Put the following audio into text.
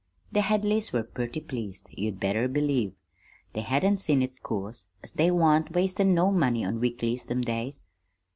"The Hadleys were purty pleased, you'd better believe. They hadn't seen it, 'course, as they wan't wastin' no money on weeklies them days.